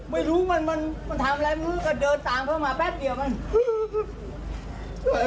ไม่รู้มันมันทำอะไรมึงก็เดินตามเข้ามาแป๊บเดียวมัน